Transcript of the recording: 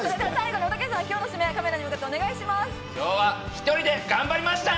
きょうは１人で頑張りました。